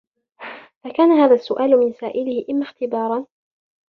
فَكَانَ هَذَا السُّؤَالُ مِنْ سَائِلِهِ إمَّا اخْتِبَارًا